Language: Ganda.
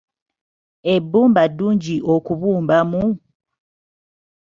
Ebbumba eddungi okubumbamu?